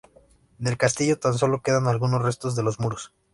Del castillo tan sólo quedan algunos restos de los muros.